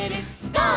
ゴー！」